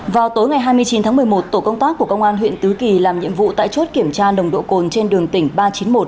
vào tối ngày hai mươi chín tháng một mươi một tổ công tác của công an huyện tứ kỳ làm nhiệm vụ tại chốt kiểm tra nồng độ cồn trên đường tỉnh ba trăm chín mươi một